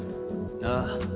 ああ。